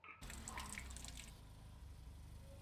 中国人在等车